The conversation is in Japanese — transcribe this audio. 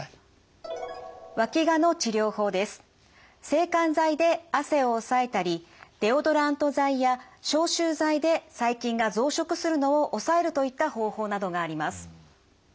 制汗剤で汗を抑えたりデオドラント剤や消臭剤で細菌が増殖するのを抑えるといった方法などがあります。